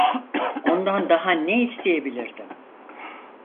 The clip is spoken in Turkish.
Ondan daha ne isteyebilirdim?